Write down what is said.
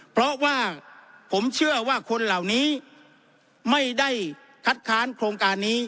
เพราะว่าผมเชื่อว่าคนเหล่านี้ไม่ได้คัดค้านโครงการนี้